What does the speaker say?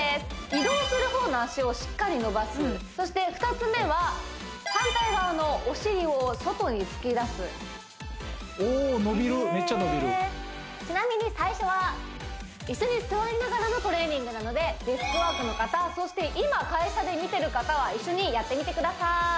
移動する方の脚をしっかり伸ばすそして２つ目は反対側のお尻を外に突き出すおお伸びるちなみに最初は椅子に座りながらのトレーニングなのでデスクワークの方そして今会社で見てる方は一緒にやってみてください